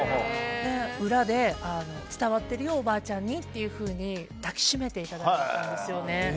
裏で伝わってるよおばあちゃんにって抱きしめていただいたんですよね。